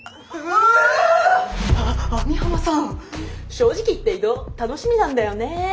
正直言って異動楽しみなんだよね。